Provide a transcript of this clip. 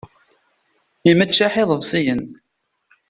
Imeččeḥ iḍebsiyen.